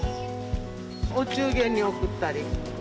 お中元に贈ったり。